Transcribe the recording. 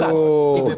terlalu yaudong itu